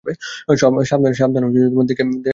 সাবধানে - দেখে পা ফেল।